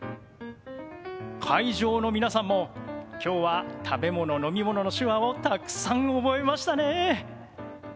会場の皆さんも今日は食べ物飲み物の手話をたくさん覚えましたね！